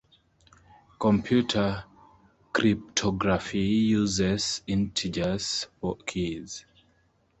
Computer cryptography uses integers for keys.